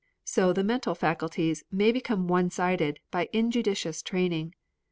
So the mental faculties may become one sided by injudicious training.